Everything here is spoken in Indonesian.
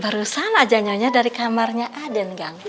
barusan aja nyonya dari kamarnya aden gang